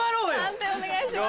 判定お願いします。